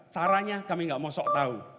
caranya kami gak mau sok tau